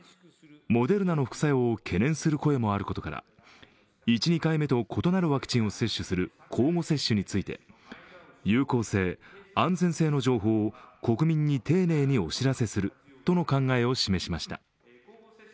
モデルナの副作用を懸念する声もあることから１、２回目と異なるワクチンを接種する交互接種について有効性、安全性の情報を国民に丁寧にお知らせするとの考えを示しました。